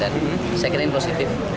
dan saya kira ini positif